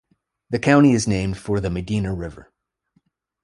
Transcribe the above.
The county is named for the Medina River.